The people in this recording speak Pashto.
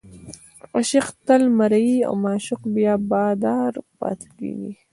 عاشق تل مریی او معشوق بیا بادار پاتې کېږي.